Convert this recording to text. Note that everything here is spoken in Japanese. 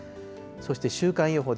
そして週間予報。